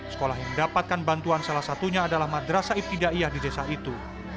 sekolah yang mendapatkan bantuan salah satunya adalah madrasa ibtidaiyah di desa itu